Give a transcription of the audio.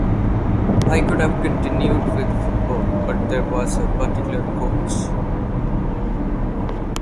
I could have continued with football but there was a particular coach...